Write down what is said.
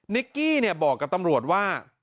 นิกกี้บอกกับตำรวจว่า